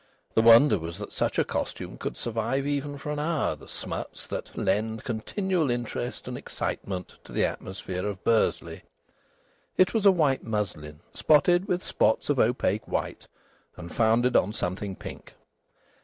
The wonder was that such a costume could survive even for an hour the smuts that lend continual interest and excitement to the atmosphere of Bursley. It was a white muslin, spotted with spots of opaque white, and founded on something pink.